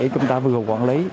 thì để chúng ta vừa hoặc quản lý